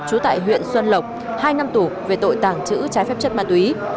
chú tại huyện xuân lộc hai năm tủ về tội tàng trữ trái phép chất ma túy